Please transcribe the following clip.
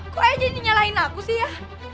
kok aja yang nyalahin aku sih ya